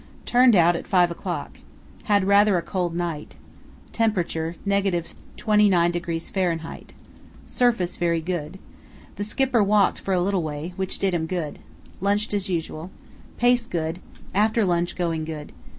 —Turned out 5 o'clock. Had rather a cold night. Temperature –29° Fahr. Surface very good. The Skipper walked for a little way, which did him good. Lunched as usual. Pace good. After lunch going good.